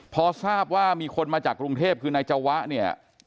พอทราบว่ามีคนมาจากกรุงเทพคือนายจวะเนี่ย